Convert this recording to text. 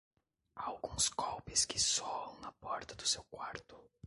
Há alguns golpes que soam na porta do seu quarto.